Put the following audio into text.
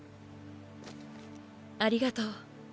ありがとう。